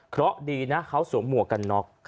เพราะดีนะเขาสูงหมวกกันเนาะ